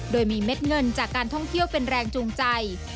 โดยมีเม็ดเงินจากการท่องเที่ยวเป็นแรงจูงใจ